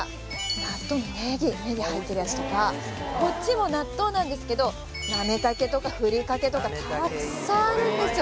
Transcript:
納豆のねぎねぎ入ってるやつとかこっちも納豆なんですけどなめ茸とかふりかけとかたくさんあるんですよ